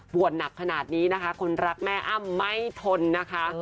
หนักขนาดนี้นะคะคนรักแม่อ้ำไม่ทนนะคะ